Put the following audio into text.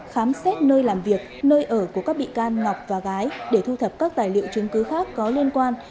khám xét nơi làm việc nơi ở của các bị can ngọc và gái để thu thập các tài liệu chứng cứ khác có liên quan